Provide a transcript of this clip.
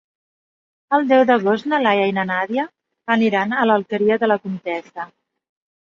El deu d'agost na Laia i na Nàdia aniran a l'Alqueria de la Comtessa.